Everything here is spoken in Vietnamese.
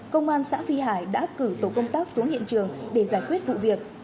công an xã phi hải đã cử tổ công tác xuống hiện trường để giải quyết vụ việc